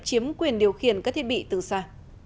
chiếm quyền điều khiển các thiết bị từ xa